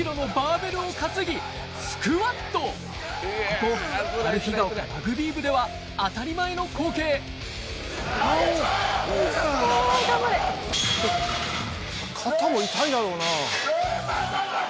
・ここ春日丘ラグビー部では当たり前の光景肩も痛いだろうな。